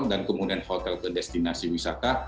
dan kemudian hotel ke destinasi wisata